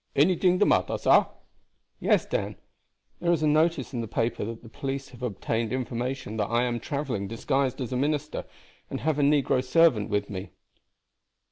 "Anyting de matter, sah?" "Yes, Dan. There is a notice in the paper that the police have obtained information that I am traveling disguised as a minister, and have a negro servant with me.."